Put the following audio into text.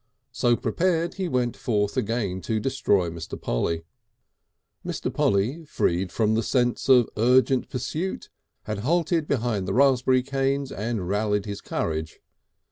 So prepared, he went forth again to destroy Mr. Polly. Mr. Polly, freed from the sense of urgent pursuit, had halted beyond the raspberry canes and rallied his courage.